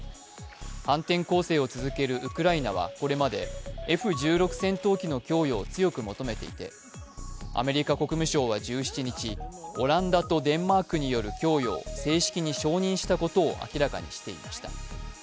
反転攻勢を続けるウクライナはこれまでＦ−１６戦闘機の供与を強く求めていて、アメリカ国務省は１７日、オランダとデンマークによる供与を正式に承認したことを明らかにしていました。